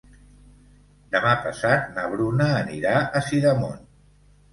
Demà passat na Bruna anirà a Sidamon.